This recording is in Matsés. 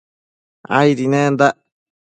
Aidi nendac